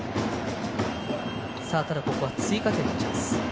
ここは追加点のチャンス。